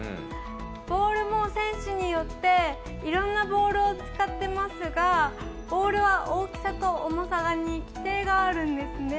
ボールも選手によっていろんなボールを使っていますがボールは大きさと重さに規定があるんですね。